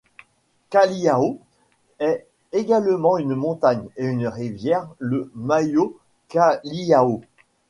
Kaliao est également une montagne et une rivière le Mayo-Kaliao.